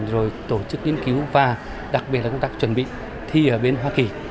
rồi tổ chức nghiên cứu và đặc biệt là công tác chuẩn bị thi ở bên hoa kỳ